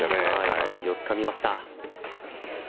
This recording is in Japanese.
バーディーをつかみました。